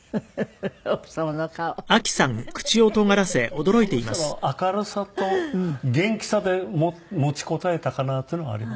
この人の明るさと元気さで持ちこたえたかなっていうのはあります。